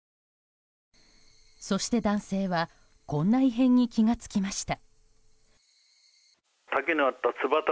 そして男性はこんな異変に気が付きました。